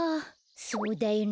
そうだよね。